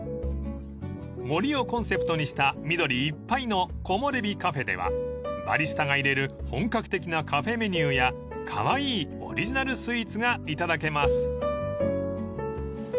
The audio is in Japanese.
［森をコンセプトにした緑いっぱいのこもれびカフェではバリスタが入れる本格的なカフェメニューやカワイイオリジナルスイーツがいただけます］